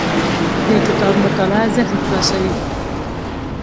د کتاب مطالعه ذهن خلاصوي.